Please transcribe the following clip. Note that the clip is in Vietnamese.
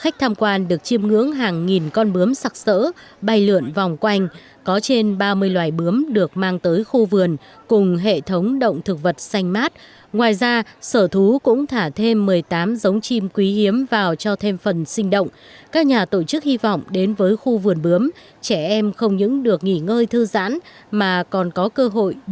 cảm ơn các bạn đã theo dõi và hẹn gặp lại